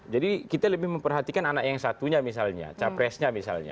jadi kita lebih memperhatikan anak yang satunya misalnya capresnya misalnya